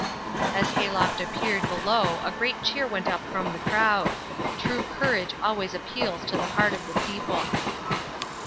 As Hayloft appeared below a great cheer went up from the crowd. True courage always appeals to the heart of the people.